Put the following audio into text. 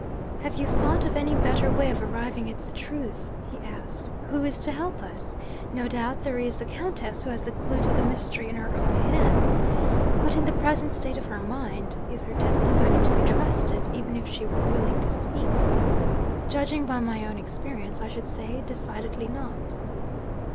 'Have you thought of any better way of arriving at the truth?' he asked. 'Who is to help us? No doubt there is the Countess, who has the clue to the mystery in her own hands. But, in the present state of her mind, is her testimony to be trusted even if she were willing to speak? Judging by my own experience, I should say decidedly not.'